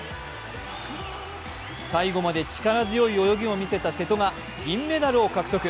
最後まで力強い泳ぎを見せた瀬戸が銀メダルを獲得。